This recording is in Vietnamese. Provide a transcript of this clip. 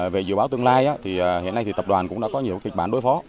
về dự báo tương lai thì hiện nay thì tập đoàn cũng đã có nhiều kịch bản đối phó